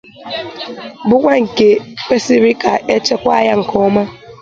bụkwa nke kwesiri ka e chekwaa ya nke ọma